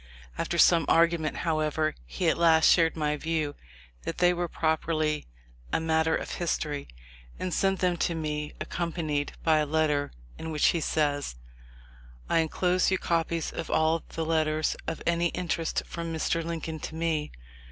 After some argument, however, he at last shared my view that they were properly a matter of history, and sent them to me, accom panied by a letter, in which he says : "I enclose you copies of all the letters of any interest from Mr. Lincoln to me.